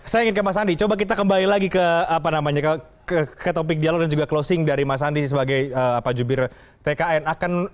saya ingin ke mas andi coba kita kembali lagi ke topik dialog dan juga closing dari mas andi sebagai jubir tkn